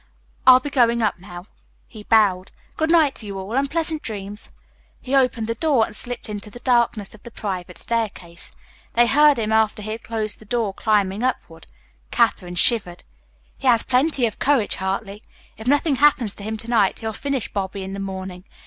I'll be going up now." He bowed. "Good night to you all, and pleasant dreams." He opened the door and slipped into the darkness of the private staircase. They heard him, after he had closed the door, climbing upward. Katherine shivered. "He has plenty of courage, Hartley! If nothing happens to him to night he'll finish Bobby in the morning.